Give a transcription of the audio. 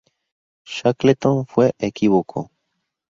Shackleton fue equívoco.